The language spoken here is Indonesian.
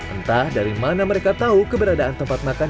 entah dari mana mereka tahu keberadaan tempat makan